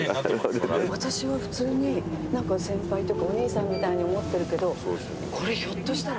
私は普通に先輩とかお兄さんみたいに思ってるけどこれひょっとしたら。